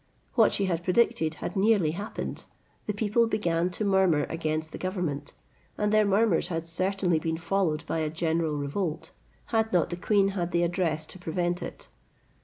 What she had predicted had nearly happened: the people began to murmur against the government, and their murmurs had certainly been followed by a general revolt, had not the queen had the address to prevent it.